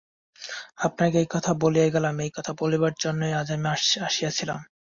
আপনাকে এই কথা বলিয়া গেলাম, এই কথা বলিবার জন্যই আজ আমি আসিয়াছিলাম।